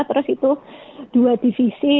terus itu dua divisi